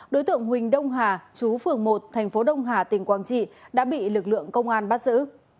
đối tượng huỳnh đông hà chú phường một thành phố đông hà tỉnh quảng trị đã bị lực lượng công an bắt giữ